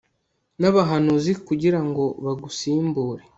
n'abahanuzi kugira ngo bagusimbure